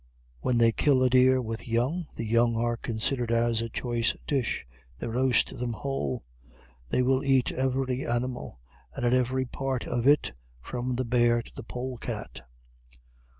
When they kill a deer with young, the young are considered as a choice dish. They roast them whole. They will eat every animal, and at every part of it, from the bear to the polecat.